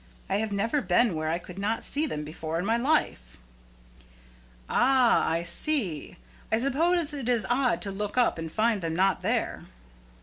I have never been where I could not see them before in my life." "Ah, I see! I suppose it is odd to look up and find them not there."